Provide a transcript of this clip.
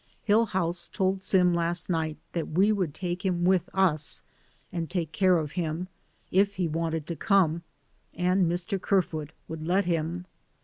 Hillhouse told Sim last night that we would take him with us and take care of him, if he wanted to come and Mr. Kerfoot would let him.